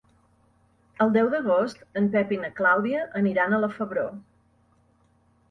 El deu d'agost en Pep i na Clàudia aniran a la Febró.